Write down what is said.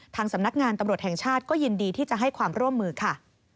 สำนักงานตำรวจแห่งชาติก็ยินดีที่จะให้ความร่วมมือค่ะ